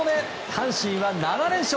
阪神は７連勝。